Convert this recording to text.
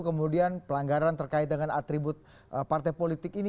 kemudian pelanggaran terkait dengan atribut partai politik ini